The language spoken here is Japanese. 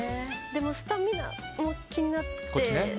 でもスタミナも気になって。